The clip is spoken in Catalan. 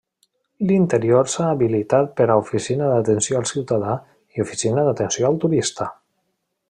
L'interior s'ha habilitat per a oficina d'atenció al ciutadà i oficina d'atenció al turista.